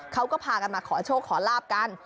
เขาก็พากันมาขอโชคขอลาบกัน